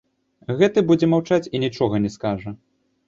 Гэты будзе маўчаць і нічога не скажа.